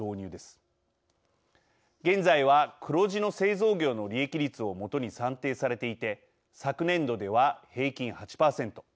現在は黒字の製造業の利益率を基に算定されていて昨年度では平均８％。